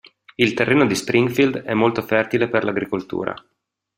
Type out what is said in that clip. Il terreno di Springfield è molto fertile per l'agricoltura.